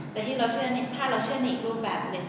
ถ้าเราเชื่อนในอีกรูปแบบ